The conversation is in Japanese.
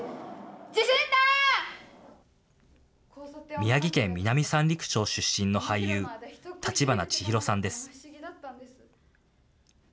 宮城県南三陸町出身の俳優、橘千裕さんです。